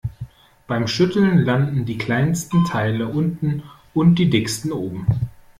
Beim Schütteln landen die kleinsten Teile unten und die dicksten oben.